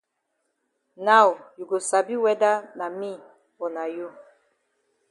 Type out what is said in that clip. Now you go sabi whether na me o na you.